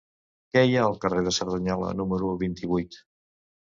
Què hi ha al carrer de Cerdanyola número vint-i-vuit?